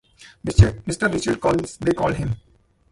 Mr. Richard Collins, they called him.